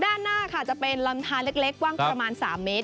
ด้านหน้าค่ะจะเป็นลำทานเล็กกว้างประมาณ๓เมตร